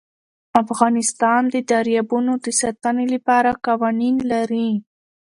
افغانستان د دریابونه د ساتنې لپاره قوانین لري.